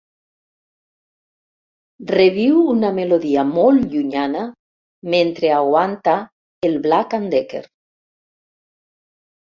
“Reviu una melodia molt llunyana mentre aguanta el black'n'decker.